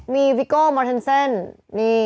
มีวิโกลเมอร์เทนเซินนี่